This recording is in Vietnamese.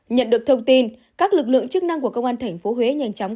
nhận được thông tin các lực lượng chức năng của công an tp huế nhanh chóng